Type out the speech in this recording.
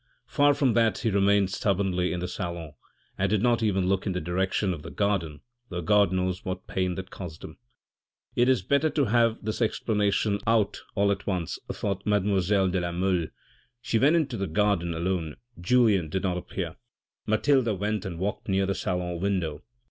Far from that he remained stubbornly in the salon and did not even look in the direction of the garden, though God knows what pain that caused him !" It is better to have this explanation out all at once," thought mademoiselle de la Mole ; she went into the garden alone, Julien did not appear. Mathilde went and walked near the salon window.